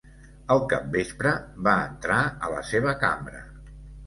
Al capvespre va entrar a la seva cambra.